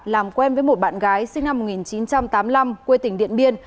làm quen với một bạn gái sinh năm một nghìn chín trăm tám mươi năm quê tỉnh điện biên